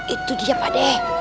itu dia pak dek